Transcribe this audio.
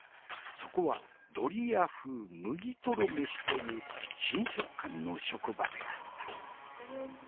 そこはドリア風麦とろ飯という新食感の職場であった。